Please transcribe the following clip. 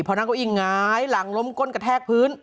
พอนั่งเก้าอี้หงายหลังล้มก้นกระแทกพื้น